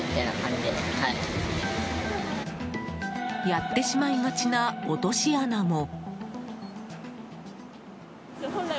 やってしまいがちな落とし穴も。